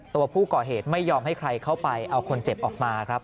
ตัวผู้ก่อเหตุไม่ยอมให้ใครเข้าไปเอาคนเจ็บออกมาครับ